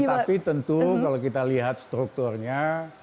tetapi tentu kalau kita lihat strukturnya